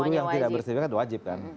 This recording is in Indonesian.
maka guru yang tidak bersertifikat wajib kan